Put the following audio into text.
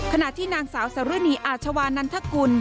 ขณะที่นางสาวสรณีอาชวานันทกุล